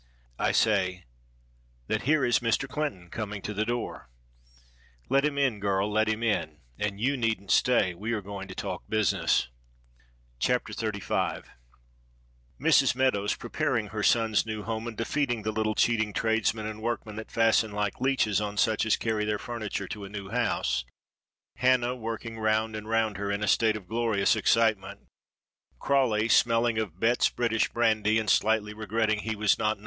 "I say that here is Mr. Clinton coming to the door." "Let him in, girl, let him in. And you needn't stay. We are going to talk business." CHAPTER XXXV. MRS. MEADOWS, preparing her son's new home and defeating the little cheating tradesmen and workmen that fasten like leeches on such as carry their furniture to a new house; Hannah, working round and round her in a state of glorious excitement; Crawley, smelling of Betts' British brandy, and slightly regretting he was not No.